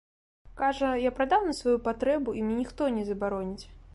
Кажа, я прадаў на сваю патрэбу і мне ніхто не забароніць.